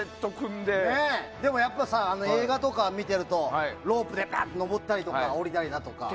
でも、やっぱり映画とかを見ているとロープで登ったり下りたりだとか。